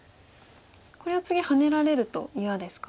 これは次ハネられると嫌ですか？